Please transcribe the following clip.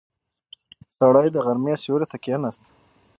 سړی د غرمې سیوري ته کیناست.